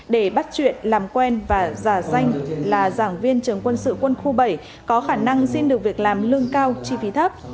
để bắt chuyện làm quen và giả danh là giảng viên trường quân sự quân khu bảy có khả năng xin được việc làm lương cao chi phí thấp